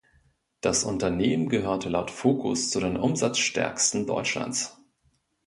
Das Unternehmen gehörte laut "Focus" „zu den umsatzstärksten Deutschlands“.